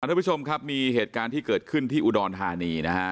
ทุกผู้ชมครับมีเหตุการณ์ที่เกิดขึ้นที่อุดรธานีนะฮะ